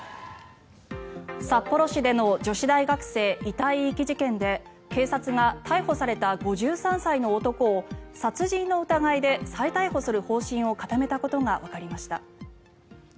札幌市での女子大学生遺体遺棄事件で警察が逮捕された５３歳の男を殺人の疑いで再逮捕する方針を固めたことがわかりました。